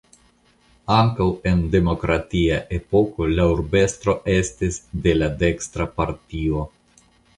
Ankaŭ en demokratia epoko la urbestro estis de la dekstra partio.